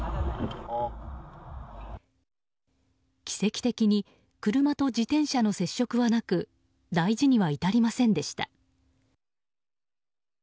奇跡的に車と自転車の接触はなく大事には至りませんでした。